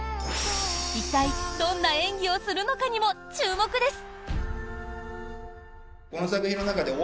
一体、どんな演技をするのかにも注目です。